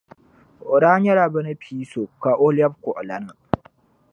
O daa nyɛla bɛ ni pii so ka o lɛbi kuɣulana.